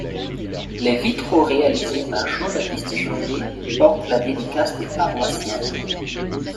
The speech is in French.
Les vitraux réalisés par Jean-Baptiste Jandet portent la dédicace des paroissiens.